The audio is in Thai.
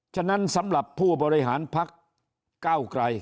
ฉะนั้นสำหรับผู้บริหารพักเก้าไกร